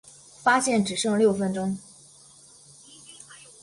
发现只剩下六分钟